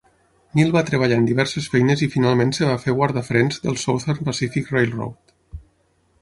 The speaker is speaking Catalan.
Neal va treballar en diverses feines i finalment es va fer guardafrens del Southern Pacific Railroad.